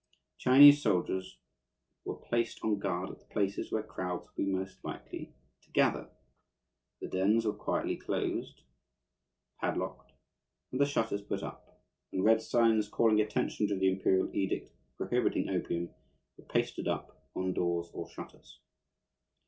Chinese soldiers were placed on guard at the places where crowds would be most likely to gather, the dens were quietly closed, padlocked, and the shutters put up; and red signs, calling attention to the imperial edict prohibiting opium, were pasted up on doors or shutters.